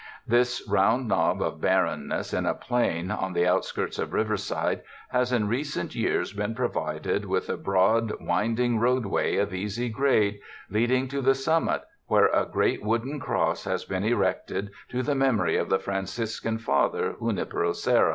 This round knob of barrenness in a plain on the outskirts of River side has in recent years been provided with a broad, winding roadway of easy grade, leading to the summit where a great wooden cross has been erected to the memory of the Franciscan Father, Junipero Serra.